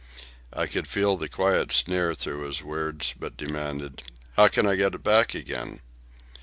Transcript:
I could feel the quiet sneer through his words, but demanded, "How can I get it back again?"